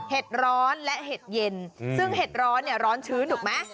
ร้อนและเห็ดเย็นซึ่งเห็ดร้อนเนี่ยร้อนชื้นถูกไหม